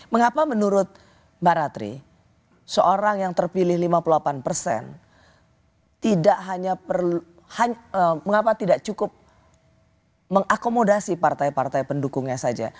mengapa menurut mbak ratri seorang yang terpilih lima puluh delapan persen tidak hanya perlu mengapa tidak cukup mengakomodasi partai partai pendukungnya saja